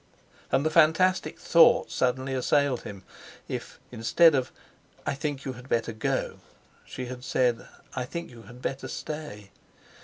And the fantastic thought suddenly assailed him if instead of, "I think you had better go," she had said, "I think you had better stay!"